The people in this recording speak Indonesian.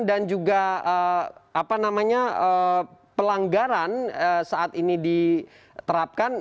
dan juga pelanggaran saat ini diterapkan